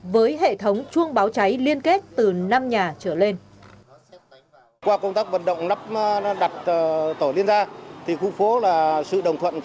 với hệ thống chuông báo cháy liên kết từ năm nhà trở lên